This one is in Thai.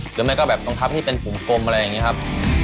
หรือไม่ก็แบบรองเท้าที่เป็นผมกลมอะไรอย่างนี้ครับ